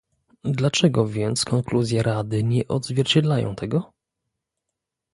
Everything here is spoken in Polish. Dlaczego więc konkluzje Rady nie odzwierciedlają tego?